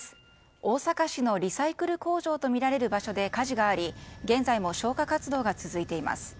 大阪市のリサイクル工場とみられる場所で火事があり、現在も消火活動が続いています。